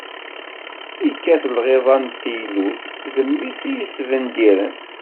Yekkat lɣiḍa n teylut, d mmi-s i yesbendiren.